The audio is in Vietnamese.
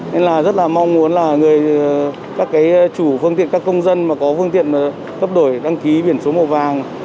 nên là rất là mong muốn là các chủ phương tiện các công dân mà có phương tiện cấp đổi đăng ký biển số màu vàng